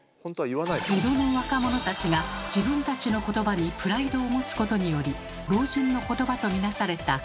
江戸の若者たちが自分たちの言葉にプライドを持つことにより老人の言葉と見なされた関西弁。